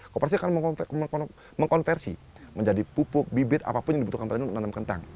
kooperasi akan mengkonversi menjadi pupuk bibit apapun yang dibutuhkan penganan untuk nanam kentang